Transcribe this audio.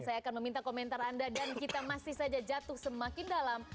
saya akan meminta komentar anda dan kita masih saja jatuh semakin dalam